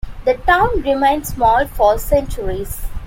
The town remained small for centuries.